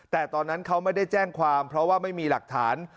แต่ตอนนั้นเขาไม่ได้แจ้งความเพราะว่าไม่มีหลักฐาน